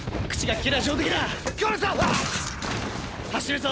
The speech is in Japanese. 走るぞ！